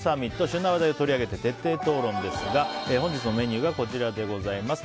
旬な話題を取り上げて徹底討論ですが本日のメニューがこちらです。